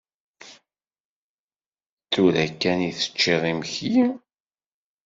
Tura kan i teččiḍ imekli?